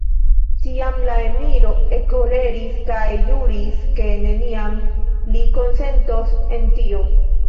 Tiam la emiro ekkoleris kaj ĵuris, ke neniam li konsentos en tio.